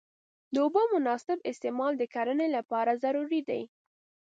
د اوبو مناسب استعمال د کرنې لپاره ضروري دی.